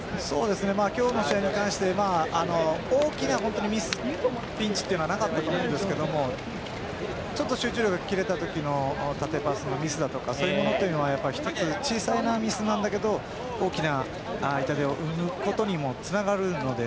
今日の試合に関して大きなミス、ピンチというのはなかったと思うんですけどちょっと集中力が切れた時の縦パスのミスとかそういうものは１つ、小さなミスなんだけど大きな痛手を生むことにもつながるので。